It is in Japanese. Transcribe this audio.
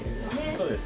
そうです